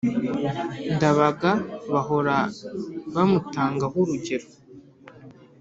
Ndabaga bahora bamutangaho urugero